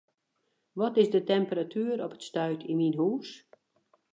Wat is de temperatuer op it stuit yn myn hûs?